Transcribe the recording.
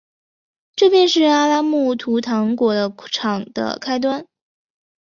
这便是阿拉木图糖果厂的开端。